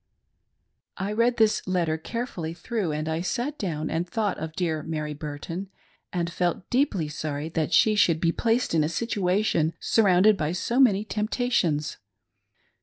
I read this letter carefully through, and I sat down and thought of dear Mary Burton, and felt deeply sorry that she should be placed in a situation surrounded by so many temptations.